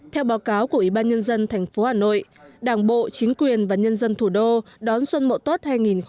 theo báo cáo của ủy ban nhân dân thành phố hà nội đảng bộ chính quyền và nhân dân thủ đô đón xuân mậu tuất hai nghìn một mươi tám